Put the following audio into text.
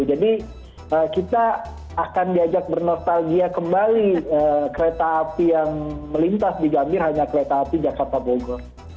jadi kita akan diajak bernostalgia kembali kereta api yang melintas di gambir hanya kereta api jakarta bogor